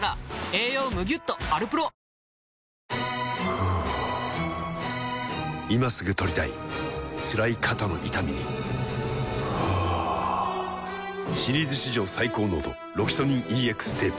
ふぅ今すぐ取りたいつらい肩の痛みにはぁシリーズ史上最高濃度「ロキソニンＥＸテープ」